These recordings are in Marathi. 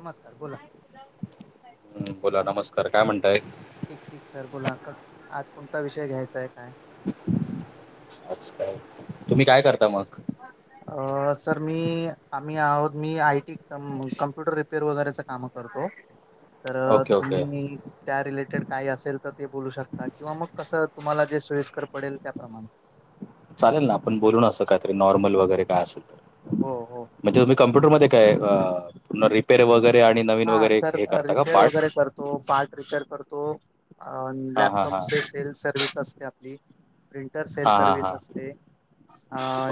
नमस्कार बोला. हम्म बोला नमस्कार काय म्हणताय. ठीक ठीक सर बोला आज कोणता विषय घ्यायचाय काय? अच्छाय तुम्ही काय करता मग, अ सर मी आम्ही आहोत, मी आयटी कम्प्युटर रिपेअर वगैरेच काम करतो. हो ओके ओके तुम्ही त्या रिलिटेड, काय असेल तर ते बोलू शकता किंवा मग कसं तुम्हाला जे सोयस्कर पडेल त्याप्रमाणे, चालेल ना आपण बोलून, असं काहीतरी नॉर्मल वगैरे काय असेल. हो हो. [unintelligible] मध्ये काय पुन्हा रिपेर वगैर, हा सर रिपेअर वगैरे करतो, पार्ट रिपेअर करतो. अ हां हां हां लॅपटॉपचे सेल्फ सर्व्हिस असते आपली. प्रिंटर सेल हां हां सर्विस हां असते,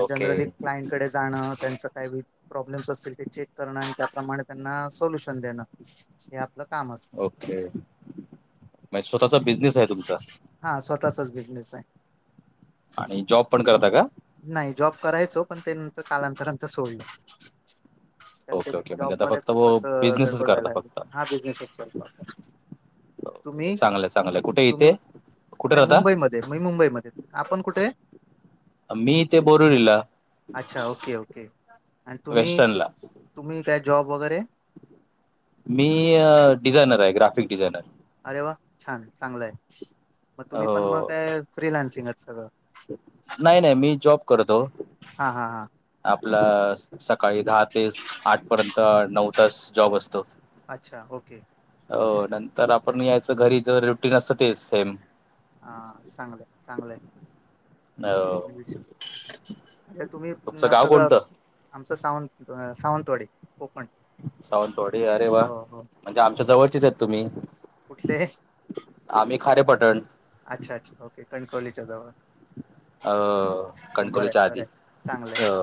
ओके जनरली क्लाइंटकडे जाणं त्यां [unintelligible] प्रॉब्लेमस असतील ते चेक करण. त्याप्रमाणे त्यांना सोलूशन देणं, हे आपलं काम असतं ओके म्हणजे स्वतःचा बिझनेस आहे तुमचा. त्याचाच बिझनेस आहे. आणि जॉब पण करता का? नाही जॉब करायचो, पण ते नंतर कालांतरान सोडलं. [inaudible] कारण ते ओके ओके म्हणजे, आता जॉबमध्ये फक्त व खूपच अ, बिजनेसच गडबड करता व्हायला लागली फक्त. हा बिझनेसच करतो आपण तुम्ही चांगलंय चांगलंय, कुठे इथे तुम्ही कुठे नाही राहता मुंबईमध्ये मुंबईमध्ये आपण कुठे? मी इथे बोरिवलीला. अच्छा ओके ओके आणि तुम्ही, वेस्टर्नला तुम्ही काय जॉब वगैरे मी डिझायनर आहे, ग्राफिक डिझायनर. अरे वा, छान चांगलं आहे. मग तुम्ही पण मग डिझायनर काय फ्रीलान्सिंग सगळं, नाही नाही मी जॉब करतो. हा हा हा. आपलं सकाळी दहा तेस आठ पर्यंत नऊ तास जॉब असतो. अच्छा ओके. हो नंतर आपण यायच घरी जो रुटीन असतं तेच सेम. हा चांगलंय चांगलंय अ म्हणजे तुम्ही तुमचं गाव सगळं, कोणतं आमचं सावन सावंतवाडी. सावंतवाडी अरे वा, हो म्हणजे आमच्या जवळचीच आहेत तुम्ही. कुठंले? आम्ही खारेपटण. अच्छा अच्छा ओके कणकवलीच्या जवळ. अ बरं कणकोलीच्या आधी बर अ चांगलंय.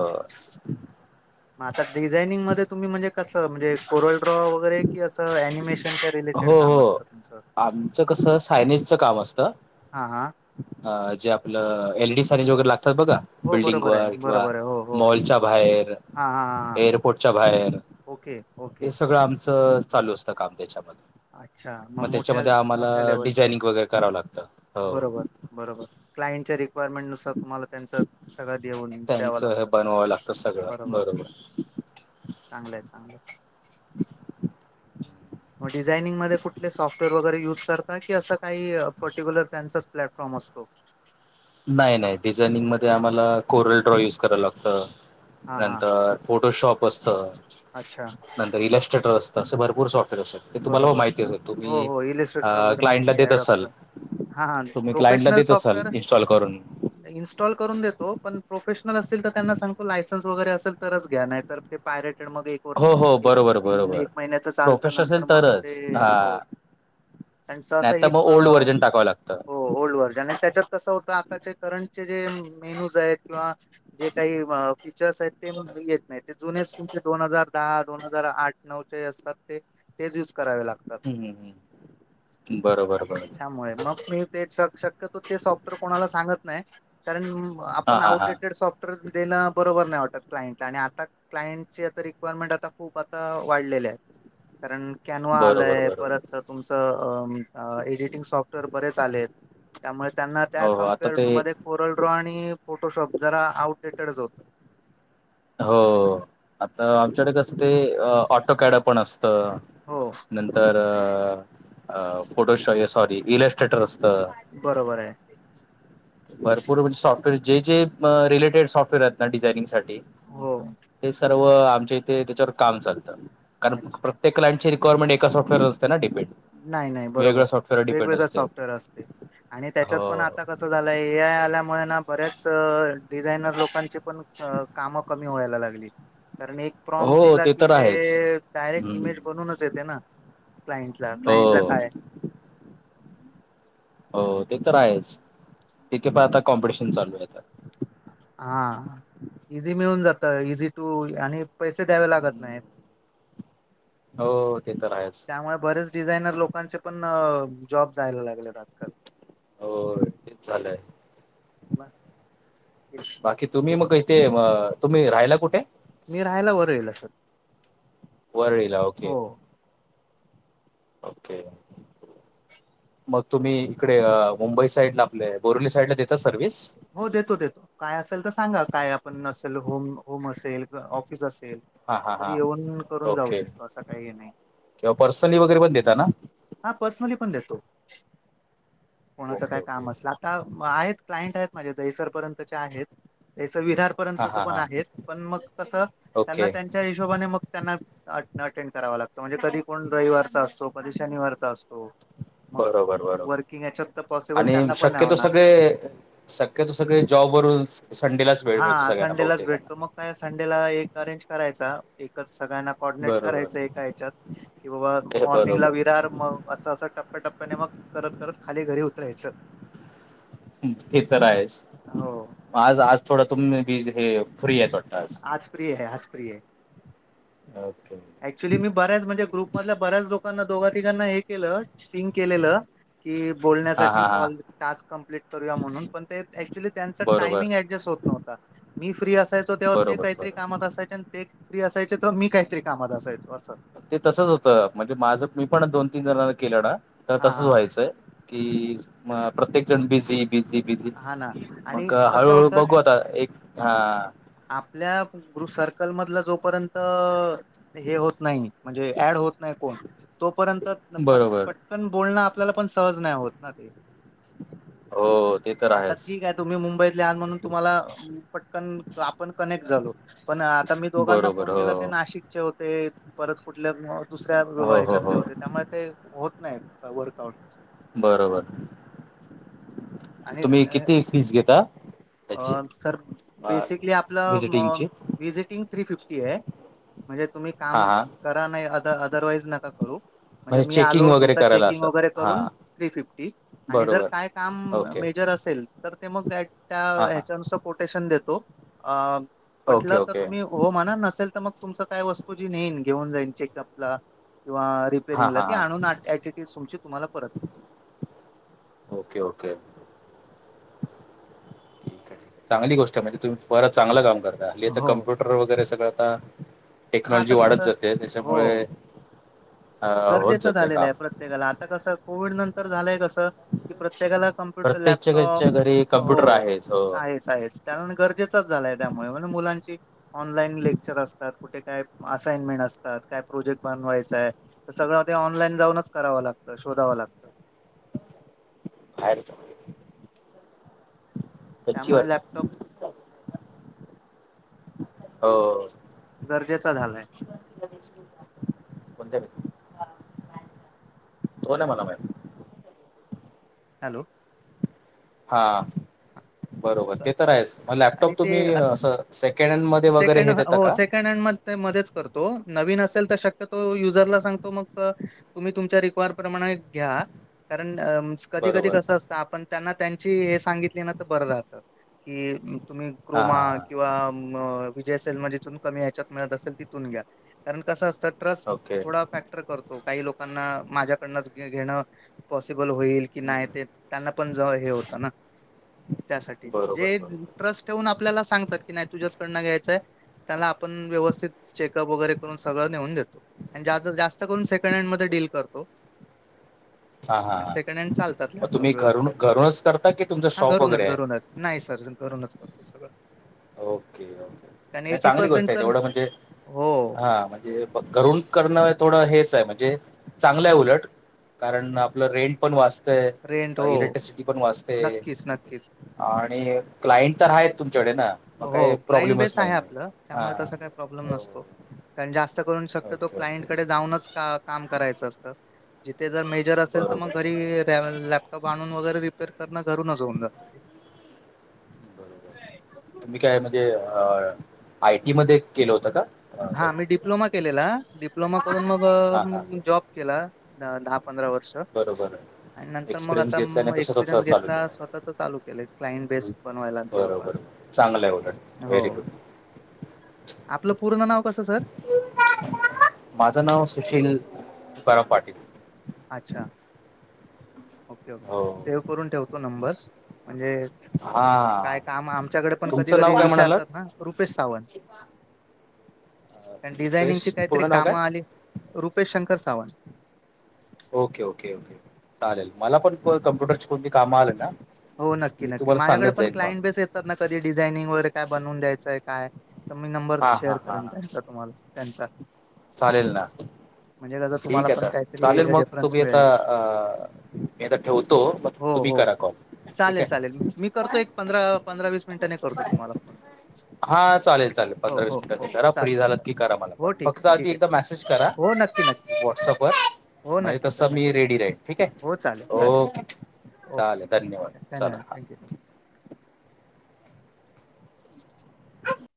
आता डिझाइनिंग मध्ये तुम्ही म्हणजे कसं, म्हणजे कोरल ड्रॉ वगैरे की अस ॲनिमेशन. हो हो आमचं कसं सायनीजच काम असतं हा हा अ जे आपलं एल डी े लातात ब हो बिल्डिंग बरोबर व आहे किंवा बरोबर आहे हो हो मॉलच्या बाहेर हा हा हा हा. एअरपोर्टच्या बाहेर ओके ओके हे सगळं आमचं चालू असतं काम त्याच्यामध्ये अच्छा मग मोठ्या त्याच्यामध्ये आम्हाला मोठ्या लेवलच डिझायनिंग आहे वगैरे करावं लागतं हो बरोबर बरोबर क्लांटच्या र्यमेंटनुसार तुम्हाला त्यांचं सगळ दे द्याव त्यांचं हे लागत बनवावं लागतं सगळं बरोबर चांगलंय चांगलं मग डिझाइनिंगध्ये कुठले सॉफ्टवेअर वगैरे युज करता की असं काही पर्टिक्युलर त्यांचा प्लॅटफॉर्म समस्त नाही नाही डिझायनिंग म आम्हाला कोरल ड्रॉ यूज कराय लागत हा हा नंतर फोटोशॉप असत अच्छा नंतर इलस्टेट रस्त अस भरपूर सॉफ्ट तुम्हाला बरोबर माहिती असे हो तुम्ही हो इलिस्ट्रेटर वगैरे क्लाइंटला माहिती आहे देत असाल ॲडॉबचं तुम्ही क्लाइंट ला देत असाल इन्स्टॉल करून इनस्टॉल करून देतो पण प्रोफेशनल असेल तर त्यांना सांगतो लायसन् वगरे असेल तरच घ्या नाही तर तेयट मग हो हो बरोबर तीन बरोबर एक महिन्याच चालतं प्रोफेश असेल मग ते तरच हो हा आणि नाही असं तर मग ह ओल्ड व्हर्जन टाकावं लागतं हो ओल्ड व्हर्जन आणि त्याच्यात कसं होत आताचे करंट का फ दोन हजार दहा दोन हजार आठ नऊ असतात ते ते दि करावे लागतात हम्म हम्म हम्म. बरोबर बरोबर त्यामुळे मग ते शक्यतो ते सॉफ्टवेअर कोणाला सांगत नाही कारण हा आपण हा हा आउटडेटेड सॉफ्टवेअर देण बरोबर नाही वाटत क्इंटला आणि आता क्लाइंटची आता रिक्वायरमेंट आता खूप आता वाढलेले आहेत कारण कॅनवा बरोबर आलाय बरोबर परत तुमचं एडिटिंग सॉफ्टवेअर बरेच आले आहेत त्यामुळे त्यांना त्या हो हो आता कमपेअर ते टू मध्ये कोरल रॉ आणि फोटोशॉप जरा आउटडेट डच होत हो आता आमच्याकडे कस ते ऑटो कॅड पण असत हो नंतर फोटो सॉरी थेटर अस्त. बरोबर आहे जे जेे रिलेटेड सफवेअर आहेत ना डिनिंगसाठी हो ते सर्व व आमच्या इथे त्याच्यावर काम चालत कारण अच्छा. प्रत्येक क्लाईंटची रिक्वायरमेंट एक का सॉफ्टवेअर वर असते ना डिपेंड नाही नाही बरोबर वेगवेगळ्या आहे. सॉफ्टवेअर वर डिपेंड वेगवेगळं असते. सॉफ्टवेअर असते. आणि त्याच्यात हो पण आता कसं झालंय ए आय आल्यामुळे ना बऱ्याच डिझायनर लोकांची पण काम कम मी व्हायला लागलली कारण एक प्रॉम हो दिला ते की तर आहेच ते डायरेक्ट हम्म इमेज बनूनच येते ना. क्लाइंट ला क्लाइंट ला हो काय. हो ते तर आहेच तिथे पण आता कॉम्पिटिशन चालू आहे आता. हा इझी मिळून जात इझी टू आणि पैसे द्यावे लागत नाहीत. हो ते तर आहेच. त्यामुळे बरेच डिझायनर लोकांचे पण जॉब जायला लागल्यात. हो तेच चालंय. म- बाकी तुम्ही मग इथे अ तुम्ही राहायला कुठे? मी राहायला वरळीला सर. वरळीला ओके. हो. ओके. [inaudible] मग तुम्ही इकडे मुंबई साईड ला आपले आ हो देतो देतो काय असेल त सांगा. काय आपण असेल होम होम असेल किंवा ऑफिस अस हा हा हा ओके शकतो असं काही हे नाही किंवा पर्सनली वगैरे पण देता ना? हा पर्सनली पण देतो. कोणाच ओके काय काम ओके. असलं आता म आहेत क्लाइंट आहेत माझ्याहित दहीसरपर्यंतचे आहेत. ते तस विरार हा पर्यंतच हा पण हा आहेत पण मग तस त्यांना ओके त्यांच्या हिशोबाने मग त्यांना अटेंड करावा लागतं म्हणजे कधी कोण रयवारचा असतो कधी शनवारचा अस [inaudible] बरोबर बरोबर याच्यात तर पॉसिबल आणि त्यांना पण नाही शक्यतो होणार सगळे शक्यतो सगळे जॉब करून संडेलाच वेळ मिळतो हा सगळ्यांना संडेलाच बहुतेकांना भेटतो मग काय संडेला एक अरेंज करायचा एकच सगळ्यांना कॉर्डिनेट बरोबर करायचं एका ह्याच्यात की बाबा हे मॉर्निंगला बरोबर वेळ तर मग अस अस टप्प्याटप्प्याने मग करत करत खाली घरी उतरायचं ते तर आहेच हो आज आज थोडं तुम् बीज हे फ्री आहेत वा आज फ्री ये आज फ्री ये. ओके. ऍक्च्युली मी बऱ्याच म्हणजे ग्रुपमधल्या बऱ्याच लोकांना दोघा तिघांना हे केलं. स्विंग केलेलं. की हा बोलण्यासाठी हा हा कॉल टास्क कम्प्लीट करूया म्हणून पण ते ऍक्च्युली त्यांचा बरोबर टाइमिंग ऍडजस्ट होत न्हवता मी फ्री असायचो तेव्हा ते बरोबर काहीतरी बरोबर. कामात असायचे आणि ते फ्री असायचे तेव्हा मी काहीतरी कामात असायचो असं ते तसच होतं म्हणजे माझं मी पण दोन तीन जणांना केलं ना तर हा तसच हा व्हायचंय की म प्रत्येक जण बिझी बिझी बिझी हा ना आणि मग कसं हळूहळू होतं बघू आता एक हा आपल्या ग्रुप सर्कल मधल जो पर्यंत हे होत नाही म्हणजे ऍड होत नाही कोण तोपर्यंत प बरोबर पटकन बोलणं आपल्याला पण सहज नायं होत ना ते. [inaudible] ते तर आता आहेच. ठीक ये तुम्ही मुंबईतले आहात म्हणून तुम्हाला पटकन आप पण कनेक्ट झालो पण आता मी दोघांना बरोबर फोन केला ते हो नाशिकचे होते परत कुठल्या दुस दुसऱ्या हो हो हो हयाच्यातले होते. त्यामुळे ते होत नायं वर्कआउट बरोबर तुम्ही किती फीज् घेता? अ त्याची सर अ, बेसिकली आपलं व्हिजिटिंगची? वीजिटिंग थ्री फिफ्टी टी ये म्हणजे तुम्ही हा काम हा करा नाही अ अदरवाईज नका करू म्हणजे मी चेकिंग आलो वगैरे तुमचा करायला चेकिंग असं वगैरे हा. करून थ्री फिफ्टी आणि जर बरोबर. काय काम ओके. मेजर असेल तर ते मग त्या हां, हां. ह्याच्यानुसार कोटेशन देतो. अ ओके, पटलं तर ओके. तुम्ही हो म्हणा नसेल त मग तुमच काय वस्तू जी नेइन घेऊन जाईनं ची आपला किंवा हां, रिपेरिंगला हां, ती हां. आणून एटीटीस तुमची तुम्हाला परत देतो. Okay, okay. ठीक ये ठीक ये चांगली गोष्ट यं म्हणजे तुम्ही परत चांगलं काम आता हल्लीच हो. कम्प्युटर वगैरे सगळं आता हा टेक्नॉलॉजी आता वाढत कसं जाते हो त्याच्यामुळे अ, होत गरजेचं जातंय झालेलं आहे काम. प्रत्येकाला आता कस कोविड नंतर झालंय कस स की प्रत्येकाला कम्प्युटर प्रत्येकच्या लॅपटॉप घरच्या घरी कम्प्युटर हो आहेच. हो. आहेच आहेच त्याला गरजेचाच झालाय त्यामुळे म्हणजे मुलांची ऑनलाईन लेक्चर असतात. कुठे काय असाइनमेंट असतात. काय प्रोजेक्ट बनवायचाय त सगळं ते ऑनलाईन जाऊनच करावं लाग त शोधावं लागतं. बाहेरच त्यामुळे गच्चीवरच. लॅपटॉप हो गरजेचा झालाय. [inaudible] तो ना मला मा हॅलो. हा. बरोबर ते तर आहेच मग आणि लॅपटॉप ते तुम्ही असं सेकंड हँड मध्ये वगैरे हे देता का? मदत करतो नवीन ो तुम्ही त घ. कधी कधी बरोबर. कस असत आपण त्यांना त्यांची हे सांगितली ना बर रात की तुम्ही हां, क्रोमा हां, हां. किंवा अ विजय असेल मग जिथून कमी ह्याच्यात मिळत असेल तिथून घ्या कारण कसं असतं. ओके. थोडा फॅक्टर करतो काही लोकांना माझ्याकडनच घेणं पॉसिबल होईल की हं, नाही हं. ते त्यांना पण ज हे होत ना. त्यासाठी बरोबर, जे बरोबर. ट्रस्ट ठेवून आपल्याला सांगतात की नाही तुझ्याचकडनं घ्यायचंय. त्याना आपण व्यवस्थित चेकअप वगैरे करून सगळं नेऊन देतो आणि जास्त करून सेकंड हँड म डील करतो. ह. हा हा सेकंड हँड चालतात म लॅपटॉप तुम्ही घरून व्यवस्थित. घरूनच करता की तुम हा घरूनच घरूनच नाही सर घरूनच करतो सगळं. ओके ओके कारण नाही एटी चांगली गोष्ट पर्सेंट आहे तर तेवढं म्हणजे हो हा म्हणजे घरून करणं थोडं हेच आहे म्हणजे चग उलट कारण आपलं रेंट पण वात. रेंट हो इलेक्ट्रिसिटी पण वाचते नक्कीच नक्कीच. आणि क्लाइंट तर आहेत. तुमच्याकडे ना मग हो काही क्लाइंट बेस प्रॉब्लेमच आहे नाही आपलं त्यामुळे त हां काही प्रॉब्लेम हो नसतो कारण जात शकतो ओके ओके क्लांट कडे जाऊनच काम करायचं असतं. जिथे जर मेजर असेल तर मग बरोबर घरी लॅपटॉप आणून वगैरे रिपेअर तरना घरूनचऊन जात ते बरोब तुम्ही काय म्हणजे अ आयटी मध्ये केलं होतं का? अ, हा हे? मी डिप्लोमा केलेला डिप्लोमा करून मग हां हां जॉब केला द पंधरा वर्ष बरोबर आहे. आणि नंतर मग एक्सपिरियन्स आता घेतल्याने तो स्वतःचा एक्सपिरियन्स चालू घेतला केला स्वतःच चालू केलं क्लाइंट बेसट बनवायला थोडाफार बरोबर चांगलं आहे उलट हो. Very good. आपलं पूर्ण नाव कसं सर ील बरा पाटील. अच्छा. ओके ओके हो सेव्ह करून ठेवतो नंबर म्हणजे हां काय काम आमच्याकडे पण कधी तुमचं नाव कधी काय म्हणालात? विचारतात ना रुपेश सावंत. अ, कारण डिझायनिंग रुपेश ची काहीतरी पूर्ण नाव काम काय? आली Rupesh Shankar Sawant okay okay okay चालेल मला पण कम्प्युटरची कोणती काम आलं ना. हो नक्की मी नक्की तुम्हाला माझ्याकडे सांगत पण जाईन मग क्लाइंट बेस येतात ना कधी डिझायनिंग वगैरे का बनून द्यायचंय काय? तर मी नंबर हां शेअर हां हां करेन हां त्यांचा तुम्हाला त्यांचा चालेल ना. म्हणजे कसं तुम्हाला ठीक पण आहेता काहीतरी चालेल मग रेफरन्स तुम्ही आता मिळेल अ ठेवतो मग हो तुम्ही हो करा का? चालेल चालेल मी करतो एक पंधरा पंधरा वीस मिनिटांने करतो तुम्हाला फोन हा चालेल चालेल हो पंधरा वीस हो हो मिनिटांनी करा फ्री चालेल झालात चालेल की करा मला पण हो ठीक आहे फक्त आधी ठीक एकदा आहे मेसेज करा. हो नक्की नक्की व्हॉट्सअप वर हो म्हणजे नक्की तस सर मी नक्की रेडी राहील ठीक हो चालेल आहे चालेल ओके. चालेल ओके धन्यवाद चला धन्यवाद हा. थँक्यू हम्.